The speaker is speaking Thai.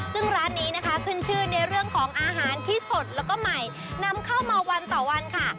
ซึ่งร้านนี้นะคะขึ้นชื่อในเรื่องของอาหารที่สดแล้วก็ใหม่นำเข้ามาวันต่อวันค่ะ